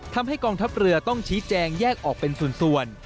ทำให้กองทัพเรือต้องชี้แจงแยกออกเป็นส่วน